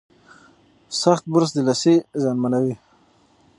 سخت برس د لثې زیانمنوي.